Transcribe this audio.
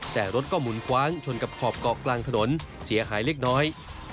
แต่รถก็หมุนคว้างชนกับขอบเกาะกลางถนนเสียหายเล็กน้อย